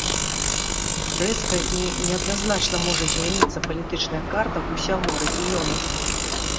Рэзка і неадназначна можа змяніцца палітычная карта ўсяго рэгіёна.